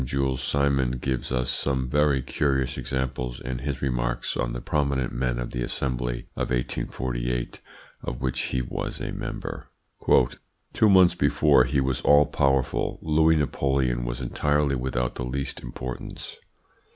Jules Simon gives us some very curious examples in his remarks on the prominent men of the Assembly of 1848, of which he was a member: "Two months before he was all powerful, Louis Napoleon was entirely without the least importance.